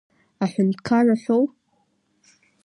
Аҳәынҭқар иҳәоу?